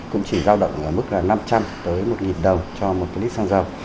cũng chỉ giao động mức là năm trăm linh tới một đồng cho một cái lít xăng dầu